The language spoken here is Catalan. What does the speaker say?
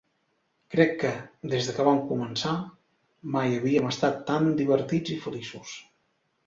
Crec que, des que vam començar, mai havíem estat tan divertits i feliços.